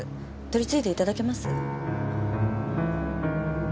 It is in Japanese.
取り次いでいただけます？